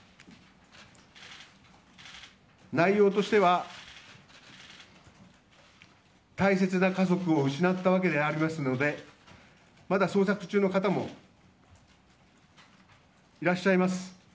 内容としては、大切な家族を失った訳でありますのでまだ捜索中の方もいらっしゃいます。